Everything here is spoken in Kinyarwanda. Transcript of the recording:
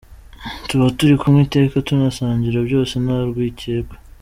tuba turi kumwe iteka tunasangira byose nta rwikekwe.